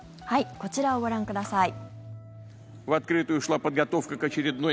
こちらをご覧ください。